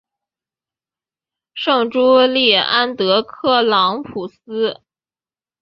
圣朱利安德克朗普斯。